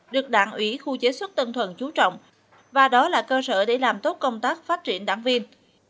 được đảng ủy khu chế xuất tân thuận chú trọng và đó là cơ sở để làm tốt công tác phát triển đảng viên